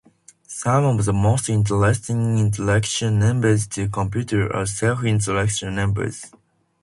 Some of the most interesting intersection numbers to compute are "self-intersection numbers".